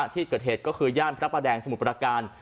ที่เกิดเหตุก็คือย่านพระประแดงสมุทรประการ